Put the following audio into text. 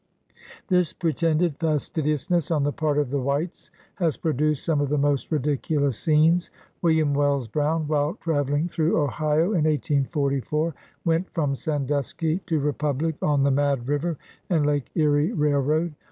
This pretended fastidiousness on the part of the whites has produced some of the most ridiculous scenes. William Wells Brown, while travelling through Ohio in 1844, went from Sandusky to Republic, on the Mad River and Lake Erie Railroad.